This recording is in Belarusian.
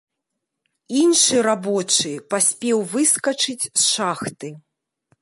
Іншы рабочы паспеў выскачыць з шахты.